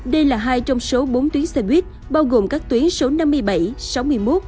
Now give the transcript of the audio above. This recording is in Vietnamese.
đây là hai trong số bốn tuyến xe buýt bao gồm các tuyến số năm mươi bảy sáu mươi một tám mươi sáu sáu mươi một sáu